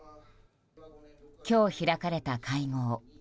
今日、開かれた会合。